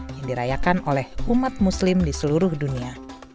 yang dirayakan oleh umat muslim di seluruh dunia